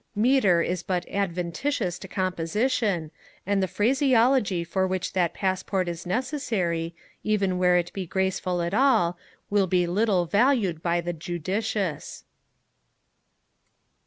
Metre is but adventitious to composition, and the phraseology for which that passport is necessary, even where it may be graceful at all will be little valued by the judicious.